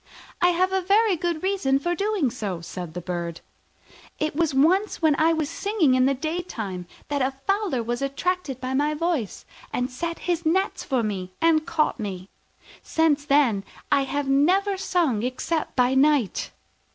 "I have a very good reason for doing so," said the Bird: "it was once when I was singing in the daytime that a fowler was attracted by my voice, and set his nets for me and caught me. Since then I have never sung except by night."